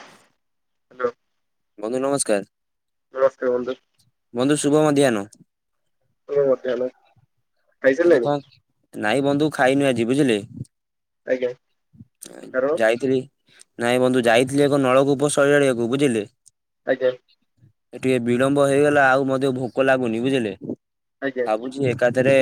Hello. ବନ୍ଧୁ ନମସ୍କାର। ନମସ୍କାର ବନ୍ଧୁ। ବନ୍ଧୁ ଶୁଭ ମଧ୍ୟାହ୍ନ। ଶୁଭ ମଧ୍ୟାହ୍ନ। ବନ୍ଧୁ ଖାଇସାରିଲେଣି କଣ ନାଇଁ ବନ୍ଧୁ ଖାଇନୁ ଆଜି ବୁଝିଲେ। ଏଁ ଆଜ୍ଞା କାରଣ ଯାଇଥିଲି। ନାଇଁ ବନ୍ଧୁ ଯାଇଥିଲି ଏକ ନଳକୂପ ସଜାଡିଆକୁ ବୁଝିଲେ। ଆଜ୍ଞା ଏ ଟିକେ ବିଳମ୍ବ ହେଇଗଲା ଆଉ ମତେ ଭୋକ ଲାଗୁନି ବୁଝିଲେ। ଆଜ୍ଞା ଭାବୁଛି ଏକାଥରେ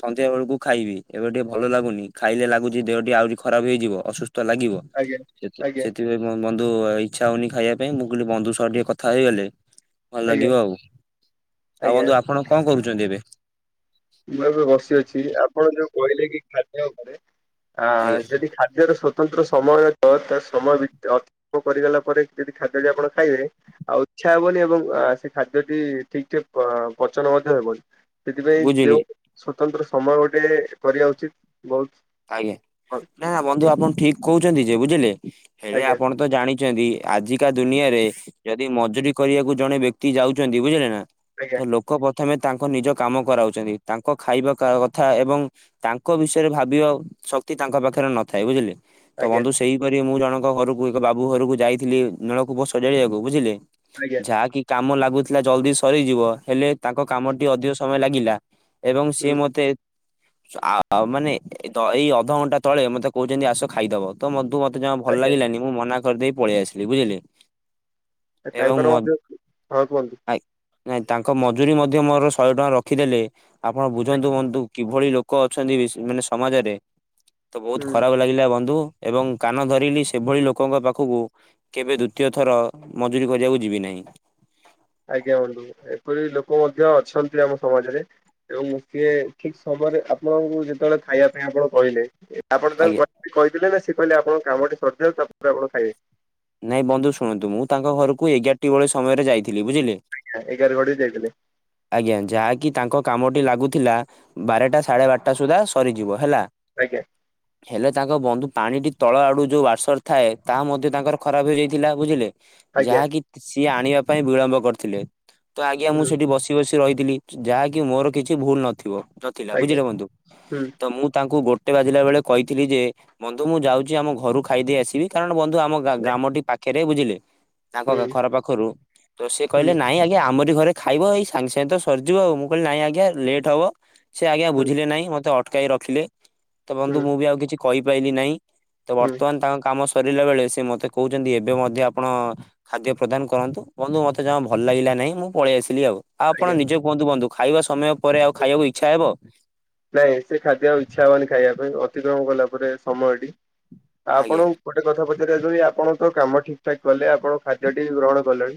ସନ୍ଧ୍ୟା ବେଳକୁ ଖାଇବି ଏବେ ଟିକେ ଭଲ ଲାଗୁନି ଖାଇଲେ ଲାଗୁଛି ଦେହଟି ଆହୁରି ଖରାପ ହେଇଯିବ ଅସୁ ସ୍ଥ ଲାଗିବ ଆଜ୍ଞା ସେଥି ଆଜ୍ଞା ସେଥିପାଇଁ ମୁଁ ବନ୍ଧୁ ଆଉ ଇଚ୍ଛା ହଉନି ଖାଇଆ ପାଇଁ ମୁଁ କହିଲି ବନ୍ଧୁ ସହ ଟିକେ କଥା ହେଇଗଲେ ଭଲ ଆଜ୍ଞା ଲାଗିବ ଆଉ। ଆଉ ଆଜ୍ଞା ବନ୍ଧୁ ଆପଣ କଣ କରୁଚନ୍ତି ଏବେ? ମୁଁ ଏବେ ବସି ଅଛି ଆପଣ ଯୋଉ କହିଲେ କି ଖାଦ୍ୟ ଉପରେ ଆଁ ଆଜ୍ଞା ଯଦି ଖାଦ୍ୟର ସ ସ୍ୱତନ୍ତ୍ର ସମୟ ତ ତା ସମୟ ବି ଅତ କରିଗଲା ପରେ ଯଦି ଖାଦ୍ୟଟି ଆପଣ ଖାଇବେ ଆଉ ଇଚ୍ଛା ହେବନି ଏବଂ ଆ ସେ ଖାଦ୍ୟଟି ଠିକ୍ ଠେକ୍ ପ-ପଚନ ମଧ୍ୟ ହେବନି। ସେଥିପାଇଁ ବୁଝିଲି ଯୋଉ ସ୍ଵତନ୍ତ୍ର ସମୟ ଗୋଟେ କରିବା ଉଚିତ। ବହୁତ ଆଜ୍ଞା ଭଲ। ନା ବନ୍ଧୁ ଆପଣ ଠିକ୍ କହୁଚନ୍ତି ଯେ ବୁଝିଲେ। ହେଲେ ଆଜ୍ଞା ଆପଣ ତ ଜାଣିଛନ୍ତି ଆଜିକା ଦୁନିଆରେ, ଯଦି ମଜୁରୀ କରିବାକୁ ଜଣେ ବ୍ୟକ୍ତି ଯାଉଛନ୍ତି। ବୁଝିଲେ ନା ଆଜ୍ଞା ତ ଲୋକ ବ ପ୍ରଥମେ ତାଙ୍କ ନିଜ କାମ କରାଉଛନ୍ତି, ତାଙ୍କ ଖାଇବା କା କଥା ଏବଂ ତାଙ୍କ ବିଷୟରେ ଭାବିବା ଶକ୍ତି ତାଙ୍କ ପାଖରେ ନଥାଏ ବୁଝିଲେ, ତ ଆଜ୍ଞା ବନ୍ଧୁ ସେଇପରି ମୁଁ ଜ ମାନଙ୍କ ଘରକୁ ଏକ ବାବୁ ଘରକୁ ଯାଇଥିଲି ନଳକୂପ ସଜାଡିବାକୁ ବୁଝିଲେ, ଆଜ୍ଞା ଯାହା କି କାମ ଲା କହୁଥିଲା ଜଲ୍ଦି ସରିଯିବ, ହେଲେ ତାଙ୍କ କାମଟି ଅଧିକ ସମୟ ଲାଗିଲା ଏବଂ ସିଏ ହୁଁ ମୋତେ ଆ ଆଉ ମାନେ ଏତ ଏଇ ଅଧଘଣ୍ଟା ତଳେ ମତେ କହୁଛନ୍ତି, ଆସ ଖାଇଦବ ତ ମଧୁ ମ ମତେ ଜମା ଭଲ ଆଜ୍ଞା ଲାଗିଲାନି, ମୁଁ ମନା କରିଦେଇ ପଳେଇ ଆସିଲି ବୁଝିଲେ ଏବଂ ମ ତାଙ୍କର ଆଜ୍ଞ ମଧ୍ୟ ହଁ କୁହନ୍ତୁ ନାଇଁ ତାଙ୍କ ମଜୁୁରୀ ମଧ୍ୟ ମୋର ଶହେ ଟଙ୍କା ରଖିଦେଲେ, ଆପଣ ବୁଝନ୍ତୁ ହୁଅନ୍ତୁ କିଭଳି ଲୋକ ଅଛନ୍ତି ବିଶ‌, ମାନେ ସମାଜରେ ତ ବହୁତ ହୁଁ ଖରାପ ଲାଗିଲା ବନ୍ଧୁ। ଏବଂ କାନ ଧରିଲି, ସେଭଳି ଲୋକଙ୍କ ପାଖକୁ କେବେ ଦ୍ୱିତୀୟ ଥର ମଜୁୁରୀ କରିବାକୁ ଯିବି ନାହିଁ। ଆଜ୍ଞା ବନ୍ଧୁ, ଏପରି ଲୋକ ମଧ୍ୟ ଅଛନ୍ତି ଆମ ସମାଜରେ ଏବଂ ମୁଠିଏ ଠିକ ସମ ପରେ ଆପଣଙ୍କୁ ଯେତେବେଳେ ଖାଇବା ପାଇଁ ଆପଣ କହିଲେ ଆପଣ ତାଙ୍କୁ ଆଜ୍ଞା। କହି କହିଥିଲେ ନା ସେ କହିଲେ ଆପଣ କାମଟି ସରିଯାଉ, ତାପରେ ଆପଣ ଖାଇବେ। ନାଇଁ ବନ୍ଧୁ ଶୁଣନ୍ତୁ, ମୁଁ ତାଙ୍କ ଘରକୁ ଏଗାରଟି ବେଳେ ସମୟରେ ଯାଇଥିଲି ବୁଝିଲେ। ଆଜ୍ଞା ଏଗାର [unintelligible] ଯାଇଥିଲେ। ଆଜ୍ଞା ଯାହାକି ତାଙ୍କ କାମଟି ଲାଗୁଥିଲା, ବାରଟା ସାଢେ ବାରଟା ସୁଦ୍ଧା ସରିଯିବ ହେଲା। ଆଜ୍ଞା ହେଲେ ତାଙ୍କ ବନ୍ଧୁ ପାଣିଟି ତଳ ଆଡୁ ଯୋଉ ୱାସର ଥାଏ, ତାହା ମଧ୍ୟ ତାଙ୍କର ଖରାପ ହେଇଯାଇଥିଲା ବୁଝିଲେ। ଆଜ୍ଞା ଯାହାକି ସିଏ ଆଣିବା ପାଇଁ ବିଳମ୍ବ କରିଥିଲେ। ତ ଆଜ୍ଞା ମୁଁ ହୁଁ ସେଠି ବସି [unintelligible] ରହିଥିଲି ଯାହାକି ମୋର କିଛି ଭୁଲ ନଥିବ ନଥିଲା ଆଜ୍ଞା ବୁଝିଲେ ବନ୍ଧୁ। ହୁଁ ତ ମୁଁ ତାଙ୍କୁ ଗୋ ଗୋଟେ ବାଜିଲା ବେଳେ କହିଥିଲି ଯେ, ବନ୍ଧୁ ମୁଁ ଯାଉଛି ଆମ ଘରୁ ଖାଇଦେଇ ଆସିବି। କାରଣ ବନ୍ଧୁ ଆମ ଗାଁ ଗ୍ରାମଟି ପାଖରେ ବୁଝିଲେ। ତାଙ୍କ ହୁଁ ଘର ପାଖରୁ ତ ସେ କହିଲେ ହୁଁ ନାଇଁ ଆଜ୍ଞା ଆମରି ଘରେ ଖାଇବ। ଏଇ ସ ସାଙ୍ଗେ ସାଙ୍ଗେ ତ ସରିଯିବ, ଆଉ ମୁଁ କହିଲି ନାଇଁ ଆଜ୍ଞା ଲେଟ୍ ହେବ ସେ ଆଜ୍ଞା ହୁଁ ବୁଝିଲେ ନାହିଁ। ମୋତେ ଅଟକାଇ ରଖିଲେ ତ ବନ୍ଧୁ ହୁଁ ମୁଁ ବି ଆଉ କିଛି କହିପାଇଲି ନାହିଁ। ତ ହୁଁ ବର୍ତ୍ତମାନ ତାଙ୍କ କାମ ସ ସରିଲା ବେଳେ ସେ ମତେ କହୁଛନ୍ତି ଏବେ ମଧ୍ୟ ଆପଣ ଖାଦ୍ୟ ପ୍ରଦାନ କରନ୍ତୁ, ବନ୍ଧୁ ମତେ ଜମା ଭଲ ଲାଗିଲା ନାଇଁ ମୁଁ ପଳେଇ ଆସିଲି ଆଉ, ଆଉ ଆପଣ ଆଜ୍ଞା ନିଜେ କୁହନ୍ତୁ ବନ୍ଧୁ ଖାଇବା ସମୟ ପରେ ଆଉ ଖାଇବାକୁ ଇଚ୍ଛା ହେବ। ନାଇଁ ସେ ଖାଦ୍ୟ ଆଉ ଇଚ୍ଛା ହବନି ଖାଇବା ପାଇଁ, ଅତିକ୍ରମ କଲା ପରେ ସମୟଟି। ଆ ଆଜ୍ଞା ଆପଣ ଗୋଟେ କଥା ପ ଯଦି ଆପଣ ତ କାମ ଠିକ ଠାକ କଲେ, ଆପଣ ଖାଦ୍ୟଟି ଗ୍ରହଣ କଲେ।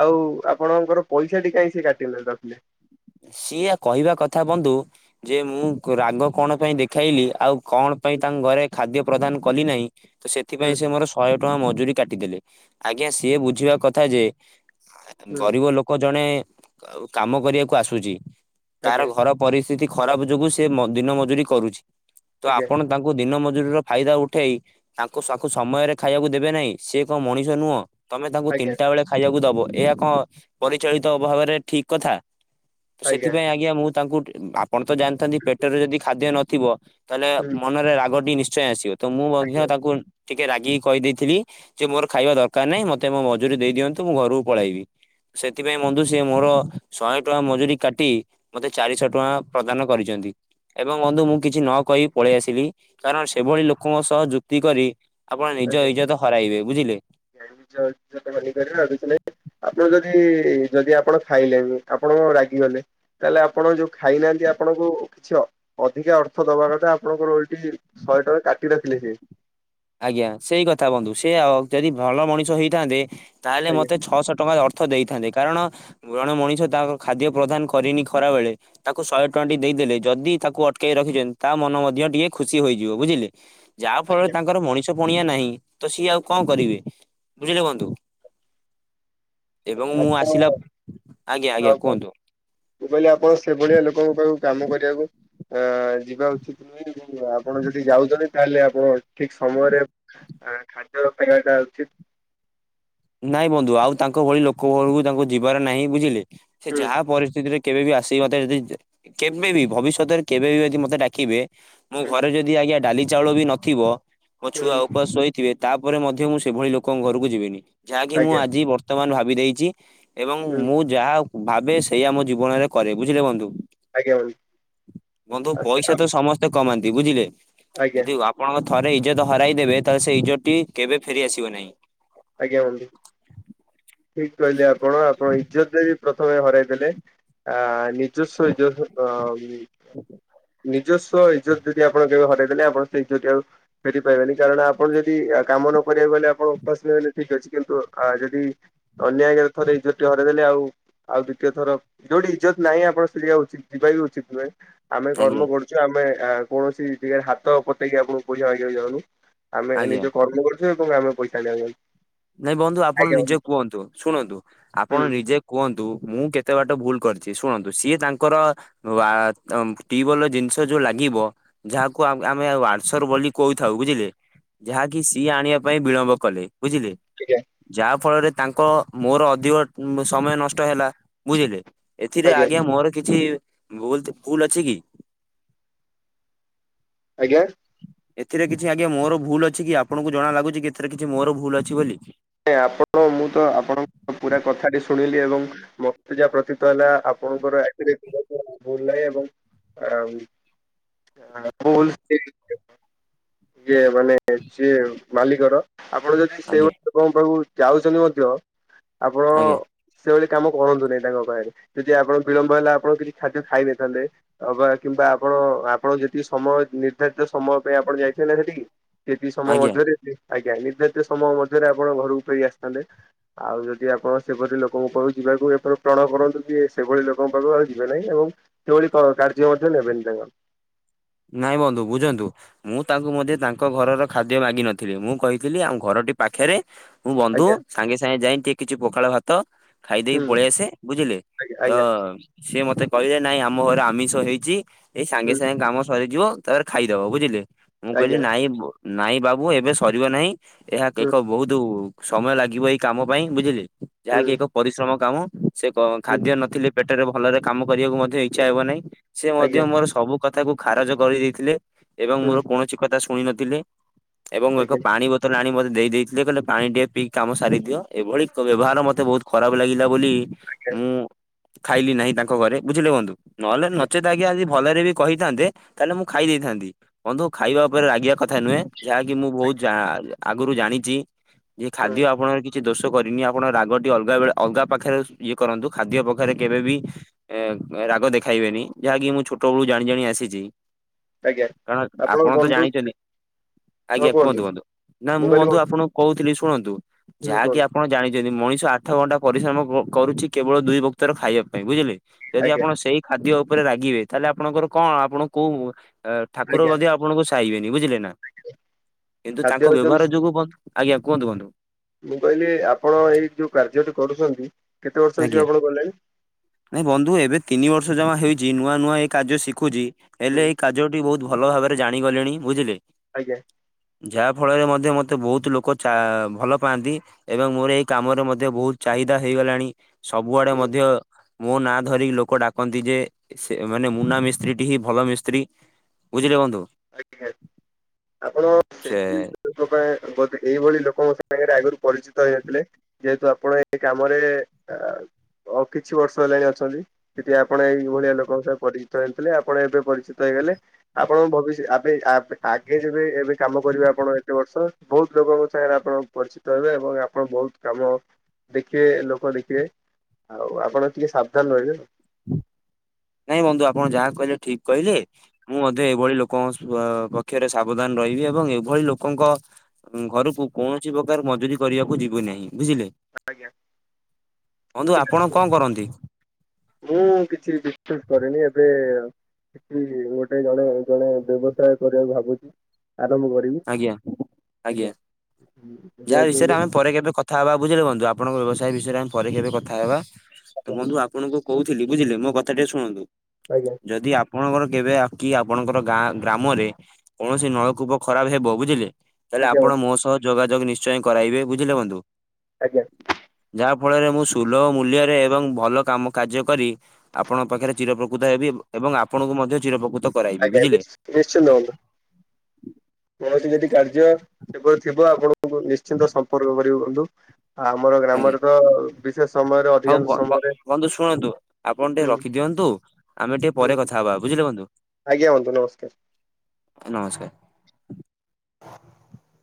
ଆଉ ଆପଣଙ୍କର ପଇସାଟି କାହିଁ ସେ କାଟିଲେ ରଖିଲେ? ସିଏ କହିବା କଥା ବନ୍ଧୁ ଯେ ମୁଁ ରାଗ କଣ ପାଇଁ ଦେଖାଇଲି, ଆଉ କଣ ପାଇଁ ତାଙ୍କ ଘରେ ଖାଦ୍ୟ ପ୍ରଦାନ କଲି ନାହିଁ। ତ ହୁଁ ସେଥିପାଇଁ ସେ ମୋର ଶହେ ଟଙ୍କା ମଜୁୁରୀ କାଟିଦେଲେ, ଆଜ୍ଞା ସିଏ ବୁଝିବା କଥା ଯେ ହୁଁ ଗରିବ ଲୋକ ଜଣେ କାମ କରିବାକୁ ଆସୁଛି, ତାର ଆଜ୍ଞା ଘର ପରି ସ୍ଥିତି ଖରାପ ଯୋଗୁ ସେ ଦିନ ମଜୁରି କରୁଛି। ତ ଆପଣ ତାଙ୍କୁ ଦିନ ମ ଜୁରି‌ର‌ ଫାଇଦା ଉଠେଇ, ତାଙ୍କୁ ତାଙ୍କୁ ସମୟରେ ଖାଇବାକୁ ଦେବେ ନାହିଁ ସେ କଣ ମଣିଷ ନୁହଁ? ତମେ ତାଙ୍କୁ ଆଜ୍ଞା ତିନିଟା ବେଳେ ଖାଇବାକୁ ଦବ, ଏହା କଣ ପରିଚାଳିତ ଭାବରେ ଠିକ କଥା। ତ ସେଥିପାଇଁ ଆଜ୍ଞା, ମୁଁ ତାଙ୍କୁ ଆପଣ ତ ଜାଣିଥାନ୍ତି ପେଟରେ ଯଦି ଖାଦ୍ୟ ନଥିବ ତାହେଲେ ହୁଁ ମନରେ ରାଗଟି ନିଶ୍ଚୟ ଆସିବ, ତ ମୁଁ ମଧ୍ୟ ଆଜ୍ଞା ତାକୁ ଟିକେ ରାଗିକି କହିଦେଇଥିଲି, ଯେ ମୋର ଖାଇବା ଦରକାର ନାହିଁ ମତେ ମୋ ମଜୁରୀ ଦେଇ ଦିଅନ୍ତୁ ମୁଁ ଘରକୁ ପଳେଇବି। ସେଥିପାଇଁ ବନ୍ଧୁ ସିଏ ମୋର ଶହେ ଟଙ୍କା ମ ଜୁରି‌ କାଟି ମତେ ଚାରିଶହ ଟଙ୍କା ପ୍ରଦାନ କରିଚନ୍ତି, ଏବଂ ବନ୍ଧୁ ମୁଁ କିଛି ନ କହି ପଳେଇ ଆସିଲି। କାରଣ ସେଭଳି ଲୋକଙ୍କ ସହ ଯୁକ୍ତି କରି ଆପଣ ନିଜ ଇଜ୍ଜତ ହରାଇବେ, ବୁ [unintelligible] ଏଇ ଯଦି ଆପଣ ଖାଇଲେନି, ଆପଣ ରାଗିଗଲେ ତାହେଲେ ଆପଣ ଯୋଉ ଖାଇନାହାନ୍ତି ଆପଣଙ୍କୁ କିଛି ଅ ଅଧିକା ଅର୍ଥ ଦବା କଥା ଆପଣଙ୍କର ଏଠି ଶହେ ଟଙ୍କା କାଟିରଖିଲେ ସେ। ଆଜ୍ଞା ସେଇ କଥା ବନ୍ଧୁ ସେ ଯଦି ଭଲ ମଣିଷ ହେଇଥାନ୍ତେ ତାହେଲେ ଆଜ୍ଞା ମୋତେ ଛଅଶହ ଟଙ୍କା ଅ ଅର୍ଥ ଦେଇଥାନ୍ତେ କାରଣ ଜଣେ ମଣିଷ ତା ଖାଦ୍ୟ ପ୍ରଦାନ କରିନି ଖରା ବେଳେ ତାକୁ ଶହେ ଟଙ୍କାଟି ଦେଇ ଦେଲେ ଯଦି ତାକୁ ଅଟକେଇ ରଖିଛନ୍ତି ତା ମନ ମଧ୍ୟ ଟିକେ ଖୁସି ହୋଇଯିବ ବୁଝିଲେ ଯାହା ଫଳରେ ଆଜ୍ଞା ତାଙ୍କର ମଣିଷ ପଣିଆ ନାହିଁ ତ ସିଏ ଆଉ କଣ କରିବେ ବୁଝିଲେ ବନ୍ଧୁ। ଏବଂ ମୁଁ ଆସିଲା ଆପଣ ଆଜ୍ଞା ଆଜ୍ଞା କୁହନ୍ତୁ। ମୁ କହିଲି ଆପଣ ସେଭଳିଆ ଲୋକଙ୍କୁ କ କାମ କରିବାକୁ ଅ ଯିବା ଉଚିତ ନୁହେଁ ଏବଂ ଆପଣ ଯଦି ଯାଉଛନ୍ତି ତାହେଲେ ଆପଣ ଠିକ। ସମୟରେ ଖାଦ୍ୟ ଖାଇବାଟା ଉଚିତ। ନାଇଁ ବନ୍ଧୁ ଆଉ ତାଙ୍କ ଭଳି ଲୋକ ଘରକୁ ତାଙ୍କୁ ଯିବାର ନାହିଁ ବୁଝିଲେ। ସେ ହୁଁ ଯାହା ପରିସ୍ଥିତିରେ କେବେ ବି ଆସି କି ମତେ ଯଦି କେବେ ବିି ଭବିଷ୍ୟତରେ କେବେ ବି ଯଦି ମୋତେ ଡାକିବେ ମୋ ହୁଁ ଘରେ ଯଦି ଆଜ୍ଞା ଡାଲି ଚାଉଳ ବି ନଥିବ ମୋ ଛୁଆ ହୁଁ ଉପାସ ଶୋଇଥି ଥିବି ତାପରେ ମଧ୍ୟ ମୁଁ ସେଭଳି ଲୋକଙ୍କ ଘରକୁ ଯିବିନି ଯାହାକି ମୁଁ ଆଜ୍ଞା ଆଜି ବର୍ତ୍ତମାନ ଭାବି ଦେଇଛି। ଏବଂ ହୁଁ ମୁଁ ଯାହା ଭାବେ ସେଇଆ ମୋ ଜୀବନରେ କରେ। ବୁଝିଲେ ବନ୍ଧୁ। ଆଜ୍ଞା ବନ୍ଧୁ ବନ୍ଧୁ ଆସ ପଇସା ଆ ତ ସମସ୍ତେ କମାନ୍ତି ବୁଝିଲେ ଆଜ୍ଞା ଯଦିଓ ଆପଣଙ୍କ ଥରେ ଇଜତ ହରାଇ ଦେବେ ତ ସେଇ ଇଜତ ଟି କେବେ ଫେରି ଆସିବ ନାହିଁ। ଆଜ୍ଞା ହୁଁ ଠିକ କହିଲେ ଆପଣ ଆପଣ ଇଜତ ଯଦି ପ୍ରଥମେ ହରାଇ ଦେଲେ ଆ ନିଜସ୍ୱ ଇଜତ ଅ ନିଜସ୍ୱ ଇଜତ ଯଦି ଆପଣ କେବେ ହରାଇ ଦେଲେ ଆପଣ ସେ ଇଜତଟି ଆଉ ଫେରି ପାଇବେନି କାରଣ ଆପଣ ଯଦି ୟା କାମ ନ କରିବାକୁ ଗଲେ ଆପଣଙ୍କୁ ସମସ୍ତେ କହିଲେ ଠିକ ଅଛି କିନ୍ତୁ ଆଁ ଯଦି ଅନ୍ୟାୟ ଆଗରେ ଇଜ୍ଜତ ଟି ହରାଇଦେଲେ ଆଉ ଆଉ ଦ୍ୱିତୀୟ ଥର ଯେଉଁଠି ଇଜତ ନାହିଁ ଆପଣ ସେ ଜାଗାରୁ ଚିଷ୍ଟିପାରିବା ଉଚିତ ନୁହେଁ। ଆମେ ଆଜ୍ଞା କର୍ମ କରୁଛୁ ଆମେ କୌଣସି ଜେଗାରେ ହାତ ପତେଇକି ଆପଣଙ୍କୁ ପଇସା ମାଗିବାକୁ ଯାଉନୁ। ଆମେ ଏ ଆଜ୍ଞା। ନିଜ କର୍ମ କରୁଛୁ ତୁମେ ଆମ ପଇସା ଆଣିବାକୁ ଯାଉଁ। ନାଇଁ ବନ୍ଧୁ ଆପଣ ନିଜେ କୁହନ୍ତୁ ଶୁଣନ୍ତୁ ଆପଣ ହୁଁ ନିଜେ କୁହନ୍ତୁ। ମୁଁ କେତେବାଟ ଭୁଲ କରିଛି ଶୁଣନ୍ତୁ ସିଏ ତାଙ୍କର ଆ ଟୀବୋଲର ଜିନିଷ ଯୋଉ ଲାଗି ଥିବ ଯାହାକୁ ଆମେ ୱାସର ବୋଲି କହିଥାଉ ବୁଝିଲେ। ଯାହାକି ସିଏ ଆଣିବା ପାଇଁ ବିଳମ୍ବ କଲେ ବୁଝିଲେ। ଆଜ୍ଞା ଯାହା ଫଳରେ ତାଙ୍କ ମୋର ଅଧିକ ସମୟ ନଷ୍ଟ ହେଲା। ବୁଝିଲେ ଏଥିରେ ଆଜ୍ଞା ମୋର କିଛି ଭୁଲଥି ଭୁଲ ଅଛି କି? ଆଜ୍ଞା। ଏଥିରେ କିଛି ଆଜ୍ଞା ମୋର ଭୁଲ ଅଛି କି ଆପଣଙ୍କୁ ଜଣା ଲାଗୁଛି କି ଏଥିରେ କିଛି ମୋର ଭୁଲ ଅଛି ବୋଲି। ଏଁ ଆପଣ ମୁଁ ତ ଆପଣଙ୍କ ପୁରା କଥା ଟି ଶୁଣିଲି ଏବଂ ମତେ ଯାହା ପ୍ରତୀତ ହେଲା ଆପଣଙ୍କର ଏଥିରେ ବିଲକୁଲ ଭୁଲ ନାହିଁ ଏବଂ ଆଉ ହାଁ ଭୁଲ ଠିକ। ସିଏ ମାନେ ସିଏ ମାଲିକର ଆପଣ ଯଦି ଆଜ୍ଞା ସେଇଭଳି ଆଉ ଯାଉଛନ୍ତି ମଧ୍ୟ ଆପଣ ଆଜ୍ଞା ସେଭଳି କାମ କରନ୍ତୁ ନାହିଁ ତାଙ୍କ ପାଖରେ ଯଦି ଆପଣ ବିଳମ୍ବ ହେଲା ଆପଣ କିଛି ଖାଦ୍ୟ ଖାଇ ଦେଇଥାନ୍ତେ ଅବା କିମ୍ବା ଆପଣ ଆପଣ ଯେତିକି ସମୟ ନିର୍ଦ୍ଧାରିତ ସମୟ ପାଇଁ ଆପଣ ଯାଇଥାନ୍ତେ ନାଁ ସେଠିକି। ସେତିକି ସମୟ ଆଜ୍ଞା ମଧ୍ୟରେ ଆଜ୍ଞା ନିର୍ଦ୍ଧାରିତ ସମୟ ମଧ୍ କିପରି ଆପଣ ଘରକୁ ଫେରିକି ଆସିଥାନ୍ତେ ଆଉଁ ଯଦି ଆପଣ ସେପରି ଲୋକଙ୍କ ପାଖକୁ ଯିବାକୁ ଏତେ ସିଏ ସେଭଳି ଲୋକଙ୍କ ପାଖକୁ ଆଉ ଯିବେ ନାହିଁ ଏବଂ ସେଭଳି କାର୍ଯ୍ୟ ମଧ୍ୟ ନେବେନି ତାଙ୍କର। ନାଇଁ ବନ୍ଧୁ ବୁଝନ୍ତୁ ମୁଁ ତାଙ୍କୁ ମଧ୍ୟ ତାଙ୍କ ଘରର ଖାଦ୍ୟ ମାଗିି ନଥିଲି ମୁଁ କହିଥିଲି ଘର ଏଁ ପାଖରେ ମୋ ବନ୍ଧୁ ଆଜ୍ଞା ସାଙ୍ଗେ ସାଙ୍ଗେ ଯାଇଁ ଟିକେ କିଛି ପଖାଳ ଭାତ ଖାଇଦେଇ ହୁଁ ପଳାଇ ଆସେ ବୁଝିଲେ, ଆଜ୍ଞା ତ ଆଜ୍ଞା ସିଏ ମୋତେ କହିଲେ ନାଇଁ ଆମ ଘର ଆମିଷ ହେଇଛି ଏଇ ସାଙ୍ଗେ ହୁଁ ସାଙ୍ଗେ କାମ ସରିଯିବ। ତାପରେ ଖାଇଦବ ବୁଝିଲେ ମୁଁ କହିଲି ଆଜ୍ଞା ନାଇଁ ବ୍ ନାଇଁ ବାବୁ ଏବେ ସରିବ ନାହିଁ। ଏହା ଏକ ହୁଁ ବହୁତ ସମୟ ଲାଗିବ ଏଇ କାମ ପାଇଁ ବୁଝିଲେ ଯାହାକି ହୁଁ ଏକ ପରିଶ୍ରମ। କାମ ସେ ହୁଁ ଖାଦ୍ୟ ନଥିଲେ ପେଟରେ ଭଲରେ କାମୁ କରିବାକୁ ମଧ୍ୟ ଇଚ୍ଛା ହେବ ନାହିଁ ସେମଧ୍ୟ ଆଜ୍ଞା ମୋର ସବୁକଥା କୁ ଖାରଜ କରିଦେଇଥିଲେ। ଏବଂ ମୋର ହୁଁ କୌଣସି କଥା ଶୁଣି ନଥିଲେ ଏବଂ ଏକ ଆଜ୍ଞା ପାଣି ବୋତଲ ଆଣି ମୁତେ। ଦେଇ ଦେଇଥିଲେ କହିଲେ ପାଣି ଟିକେ ପିକାମ ସାରିଦିଅ ଏଭଳି ବ୍ୟବହାର ମୋତେ ବହୁତ ଖରାପ ଲାଗିଲା ବୋଲି। ମୁଁ ଖାଇଲି ନାହିଁ ତାଙ୍କ ଘରେ ବୁଝିଲେ ବନ୍ଧୁ ନହେଲେ ନଚେତ ଆଜ୍ଞା ଆଜି ଭଲ ରେ ବି କହିଥାନ୍ତେ ତାହେଲେ ମୁଁ ଖାଇ ଦେଇଥାନ୍ତି ବନ୍ଧୁ ଖାଇବା ଉପରେ ରାଗିବା କଥା ନୁହେଁ ଯାହାକି ମୁଁ ବହୁତ ଯା ଆଁ ଆଗରୁ ଜାଣିଛି ଏ ଖାଦ୍ୟ ହୁଁ ଆପଣଙ୍କର କିଛି କିଛି ଦୋଷ କରିନି ଆପଣ ରାଗଟି ଅଲଗା ବେଳେ ଅଲଗା ପାଖରେ ଇଏ କରନ୍ତୁ ଖାଦ୍ୟ ପାଖରେ କେବେବି ଏଁ ରାଗଦେଖାଇବେନି ଯାହାକି ମୁଁ ଛୋଟ ବେଳୁ ଜାଣି ଜାଣି ଆସିଛି। ଆଜ୍ଞା। ଏଁ ଆପଣଙ୍କ ଆପଣ ତ ବନ୍ଧୁ ଜାଣିଛନ୍ତି। ଆଜ୍ଞା କୁହନ୍ତୁ କୁହନ୍ତୁ। ନା ମୁଁ କହିଲି ବନ୍ଧୁ ହୁଁ ଆପଣଙ୍କୁ କହୁଥିଲି ଶୁଣନ୍ତୁ ଯାହାକି କୁହନ୍ତୁ ଆପଣ ମଣିଷ ଆଠ ଘଣ୍ଟା ପରିଶ୍ରମ କରୁଛି, କେବଳ ଦୁଇ ବକ୍ତର ଖାଇବା ପାଇଁ ବୁଝିଲେ। ଯଦି ଆଜ୍ଞା ଆପଣ ସେଇ ଖାଦ୍ୟ ଉପରେ ରାଗିବେ, ତାହେଲେ ଆପଣଙ୍କର କଣ ଆପଣ କୋଉ ଠାକୁର ଆଜ୍ଞା ମଧ୍ୟ ଆପଣଙ୍କୁ ସାଇବେନି ବୁଝିଲେ ନା, କିନ୍ତୁ ଖାଦ୍ୟ ତାଙ୍କ ହଉଛନ୍ତି ବ୍ୟବହାର ଯୋଗୁ ଆ୍ଞା, କୁହନ୍ତୁ କୁହନ୍ତୁ। ମୁଁ କହିଲି ଆପଣ ଏଇ ଯୋଉ କାର୍ଯ୍ୟଟି କରୁଛନ୍ତି କେତେ ବର୍ଷ ହେଇଯିବ ଆଜ୍ଞା, ଆପଣ କଲେଣି ନାଇ ବନ୍ଧୁ ଏବେ ତିନି ବର୍ଷ ଜମା ହେଇଛି। ନୂଆ ନୂଆ ଏଇ କାର୍ଯ୍ୟ ଶିଖୁଛି। ହେଲେ ହୁଁ ଏଇ କାର୍ଯ୍ୟ ଟି ବହୁତ ଭଲ ଭାବରେ ଜାଣିଗଲେଣି ବୁଝିଲେ। ଆଜ୍ଞା। ଯାହା ଫଳରେ ମଧ୍ୟ ମତେ ବହୁତ ଲୋକ ଭଲ ପାଆନ୍ତି, ଏବଂ ମୋର ଏଇ କାମରେ ମଧ୍ୟ ବହୁତ ଚାହିଦା ହେଇଗଲାଣି। ସବୁଆଡେ ହୁଁ ମଧ୍ୟ ମୋ ନାଁ ଧରିକି ଲୋକ ଡାକନ୍ତି ଯେ, ସେ ମାନେ ମୁନା ମିସ୍ତ୍ରୀ ଟି ହିଁ ଭଲ ମିସ୍ତ୍ରୀ। ବୁଝିଲ ବନ୍ଧୁ। [unintelligible] ଲୋକଙ୍କ ସେ ସାଙ୍ଗରେ ଆଗରୁ ପରିଚିତ ହେଇନଥିଲେ, ଯେହେତୁ ଆପଣ ଏ କାମରେ ଆଉ କିଛି ବର୍ଷ ହେଲାଣି ଅଛନ୍ତି। ସେଠି ଆପଣ ଏଇଭଳିଆ ଲୋକଙ୍କ ସହ ପରିଚିତ ହେଇଥିଲେ। ଆପଣ ଏବେ ପରିଚିତ ହେଇ ହେଲେ। ଆପଣ ଭବି ଆଗେ ଯବେ, ଏବେ କାମ କରିବେ ଆପଣ ଏତେ ବର୍ଷ ବହୁତ ଲୋକଙ୍କ ସାଙ୍ଗରେ ଆପଣ ପରିଚିତ ଏବଂ ଆପଣ ବହୁତ କାମ ଦେଖିବେ, ଲୋକ ଦେଖିବେ ଆଉ ଆପଣ ଟିକେ ସାବଧାନ ରହିବେ ଆଉ। ନାଇଁ ବନ୍ଧୁ ଆପଣ ଯାହା କହିଲେ ଠିକ କହିଲେ। ମୁଁ ମଧ୍ୟ ଏଇଭଳି ଲୋକଙ୍କ ପକ୍ଷରେ ସାବଧାନ ରହିବି ଏବଂ ଏଭଳି ଲୋକଙ୍କ ଘରକୁ କୌଣସି ପ୍ରକାର ମଜୁରୀ କରିବାକୁ ଯିବୁ ନାହିଁ ବୁଝିଲେ। ଆଜ୍ଞା ବନ୍ଧୁ ଆପଣ କଣ କରନ୍ତି? [unintelligible] ସେଠି ଗୋଟେ ଜଣେ ଜଣେ ବ୍ୟବସାୟ କରିବାକୁ ଭାବୁଛି। ଆରମ୍ଭ କରିବି। ଆଜ୍ଞା ଆଜ୍ଞା, ଯାହା ଯେହେତୁ ବିଷୟରେ ଏବେ ଆମେ ପରେ କେବେ କଥା ହବା ବୁଝିଲେ ବନ୍ଧୁ, ଆପଣଙ୍କ ବ୍ୟବସାୟ ବିଷୟରେ ପରେ କେବେ କଥା ହେବା। ବନ୍ଧୁ ଆପଣଙ୍କୁ କହୁଥିଲି ବୁଝିଲେ, ମୋ କଥା ଟିକେ ଶୁଣନ୍ତୁ। ଆଜ୍ଞା। ଯଦି ଆପଣଙ୍କର କେବେ, କି ଆପଣଙ୍କର ଗାଁ ଗ୍ରାମରେ କୌଣସି ନଳକୂପ ଖରାପ ହେବ ବୁଝିଲେ, ତାହେଲେ ଆଜ୍ଞା ଆପଣ ବନ୍ଧୁ ମୋ ସହ ଯୋଗାଯୋଗ ନିଶ୍ଚୟ କରାଇବେ। ବୁଝିଲେ ବନ୍ଧୁ। ଆଜ୍ଞା। ଯହା ଫଳରେ ମୁଁ ସୁଲଭ ମୂଲ୍ୟରେ ଏବଂ ଭଲ କାମ କାର୍ଯ୍ୟ କରି, ଆପଣଙ୍କ ପାଖରେ ଚିର ପ୍ରକୃତ ହେବି। ଏବଂ ଆପଣଙ୍କୁ ମଧ୍ୟ ଚିରପ୍ରକୃତ [unintelligible] କୌଣସି ଯଦି କାର୍ଯ୍ୟ ସେପରି ଥିବ, ଆପଣଙ୍କୁ ନିଶ୍ଚିନ୍ତ ସମ୍ପର୍କ କରିବେ ବନ୍ଧୁ। ଆ ଆମର ଆଜ୍ଞା। ଗ୍ରାମରେ ତ ବିଶେଷ ସମୟରେ ହଉ ଅଧିକାଂଶ ବ ବ ସମୟରେ ବନ୍ଧୁ ଶୁଣନ୍ତୁ ଆପଣ ଟିକେ ହୁଁ ରଖିଦିଅନ୍ତୁ ଆମେ ଟିକେ ହୁଁ ପରେ କଥା ହବା, ବୁଝିଲେ ବନ୍ଧୁ। ଆଜ୍ଞା, ବନ୍ଧୁ ନମସ୍କାର। ନମସ୍କାର।